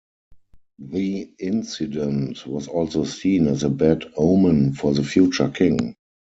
The incident was also seen as a bad omen for the future King.